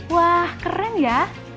wah keren ya